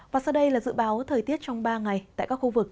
và sau đây là dự báo thời tiết trong ba ngày tại các khu vực